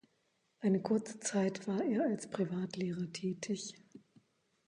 Eine kurze Zeit war er als Privatlehrer tätig.